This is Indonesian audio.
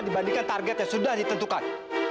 dibandingkan target yang sudah ditentukan